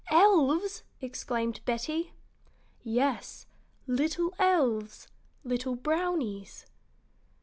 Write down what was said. "Elves!" exclaimed Betty. "Yes, little elves, little brownies."